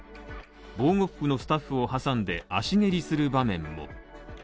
防護服のスタッフを挟んで足蹴りする場面も。